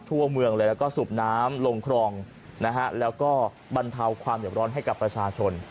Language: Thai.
ทั่วเมืองเลยแล้วก็สูบน้ำลงครองนะฮะแล้วก็บรรเทาความเด็บร้อนให้กับประชาชน